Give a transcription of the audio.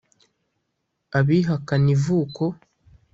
Abihakana ivuko